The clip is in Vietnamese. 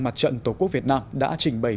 mặt trận tổ quốc việt nam đã trình bày